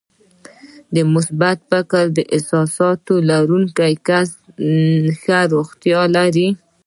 د مثبت فکر او احساساتو لرونکي کسان ښه روغتیا لري.